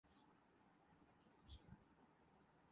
کا بہترین پلئیر بھی ون ڈے کا